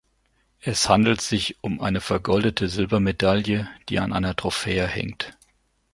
Es handelt sich um eine vergoldete Silbermedaille, die an einer Trophäe hängt.